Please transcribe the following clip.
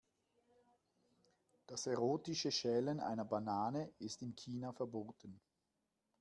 Das erotische Schälen einer Banane ist in China verboten.